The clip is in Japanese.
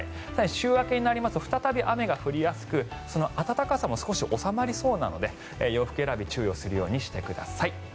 週明けになりますと再び雨が降りやすく暖かさも少し収まりそうなので洋服選び注意するようにしてください。